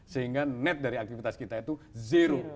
sehingga net dari aktivitas kita itu zero